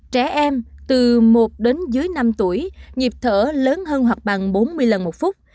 trẻ em từ một đến dưới năm tuổi nhịp thở lớn hơn hoặc bằng bốn mươi lần một phút